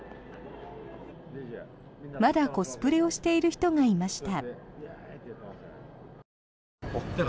まだコスプレをしている人がいました。